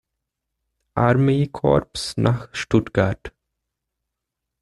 Armee-Korps nach Stuttgart.